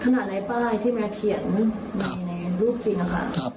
ขนาดในป้ายที่เมรียเขียนในรูปจริงนะครับ